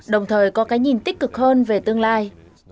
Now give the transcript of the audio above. đồng thời có cái nhìn tích cực hơn về tương lai